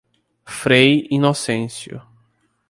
Frei Inocêncio